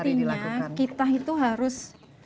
intinya kita itu harus